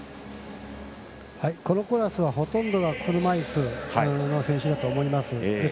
このクラスはほとんどが車いすの選手だと思います。